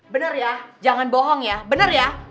bener ya jangan bohong ya bener ya